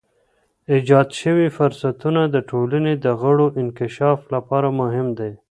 ایجاد شوی فرصتونه د ټولنې د غړو انکشاف لپاره مهم دي.